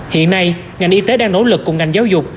hiện nay ngành y tế đang nỗ lực cùng ngành giáo dục